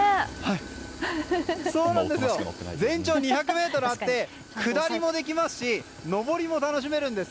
全長２００ｍあって下りもできますし上りも楽しめるんです。